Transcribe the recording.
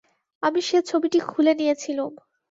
আমি সে ছবিটি খুলে নিয়েছিলুম।